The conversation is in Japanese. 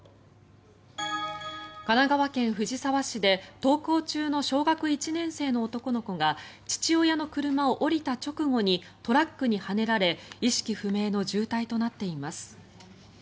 神奈川県藤沢市で登校中の小学１年生の男の子が父親の車を降りた直後にトラックにはねられ意識不明の重体となっています。